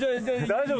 大丈夫？